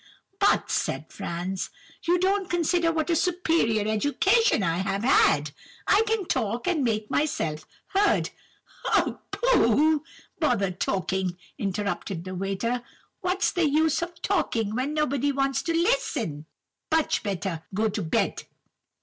"'But,' said Franz, 'you don't consider what a superior education I have had. I can talk and make myself heard—' "'Oh, pooh! bother talking,' interrupted the waiter; 'what's the use of talking when nobody wants to listen? Much better go to bed.